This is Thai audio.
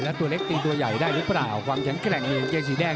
แล้วตัวเล็กตีตัวใหญ่ได้หรือเปล่าความแข็งแกร่งเนี่ยกางเกงสีแดง